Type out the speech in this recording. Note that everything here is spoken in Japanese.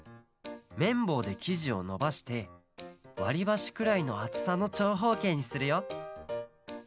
めんぼうできじをのばしてわりばしくらいのあつさのちょうほうけいにするよ。